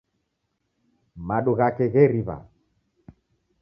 Madu ghake gheriw'a